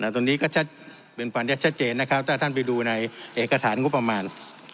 ตรงนี้ก็เป็นความชัดเจนนะครับถ้าท่านไปดูในเอกสารงบประมาณ